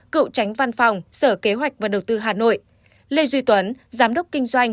cựu tránh văn phòng sở kế hoạch và đầu tư hà nội lê duy tuấn giám đốc kinh doanh